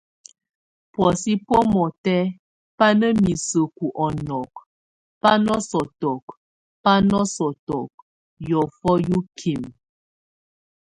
Búɔsɛ bomɔtɛk bá na miseku ɔnɔkɔk, bá nasɔtɔk, bá nasɔtɔk, yɔfɔ yokime.